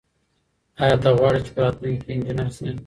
آیا ته غواړې چې په راتلونکي کې انجنیر شې؟